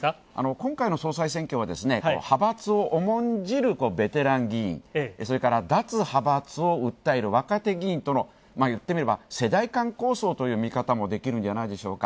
今回の総裁選挙は派閥を重んじるベテラン議員、それから、脱派閥を訴える若手議員との世代間抗争という見方もできるじゃないんでしょうか。